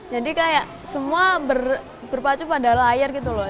jadi kayak semua berpacu pada layar gitu loh